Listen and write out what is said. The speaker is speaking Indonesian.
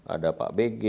ada pak bg